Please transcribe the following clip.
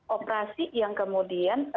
operasi yang kemudian